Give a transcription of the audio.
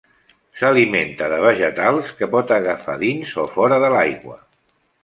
S'alimenta de vegetals que pot agafar dins o fora de l'aigua.